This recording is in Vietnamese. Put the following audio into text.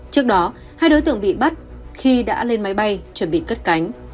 trước đó hai đối tượng bị bắt khi đã lên máy bay chuẩn bị cất cánh